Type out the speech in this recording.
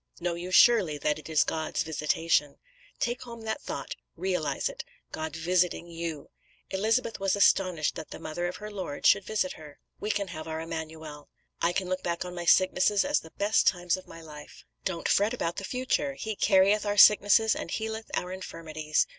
Know you surely that it is God's visitation. Take home that thought, realise it: God visiting you. Elizabeth was astonished that the Mother of her Lord should visit her. We can have our Emmanuel. I can look back on my sicknesses as the best times of my life. Don't fret about the future. He carrieth our sicknesses and healeth our infirmities.